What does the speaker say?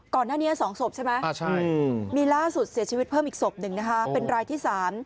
ก่อนหน้านี้๒ศพใช่ไหมมีล่าสุดเสียชีวิตเพิ่มอีกศพหนึ่งนะคะเป็นรายที่๓